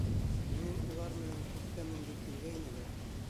— Минең улар менән күккә менге килгәйне лә.